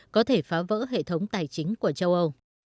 có thể phá vỡ hệ thống tài chính của châu âu